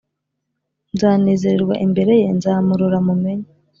Nzanezererwa imbere ye nzamurora mumenye